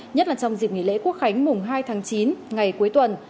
nhất là trong dịp nghỉ lễ quốc khánh mùng hai tháng chín ngày cuối tuần